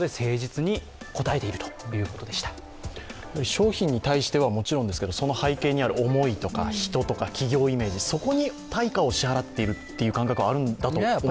商品に対してはもちろんですけれども、その背景にある思いですとか人とか企業イメージ、そこに対価を支払っているんだという感覚はあるんだと思います。